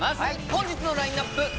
本日のラインナップ